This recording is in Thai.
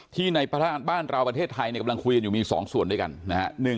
ในพระราชบ้านเราประเทศไทยกำลังคุยกันอยู่มี๒ส่วนด้วยกันนะฮะ